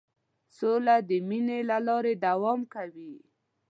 سوله د مینې له لارې دوام کوي.